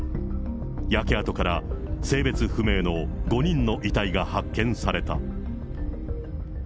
焼け跡から性別不明の５人の遺体が発見された。